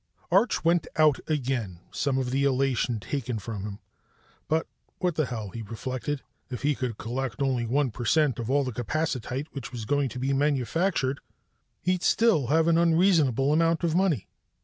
Arch went out again, some of the elation taken from him. But what the hell, he reflected. If he could collect on only one percent of all the capacitite which was going to be manufactured, he'd still have an unreasonable amount of money.